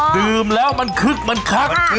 ดื่มแล้วมันคึกมันคัก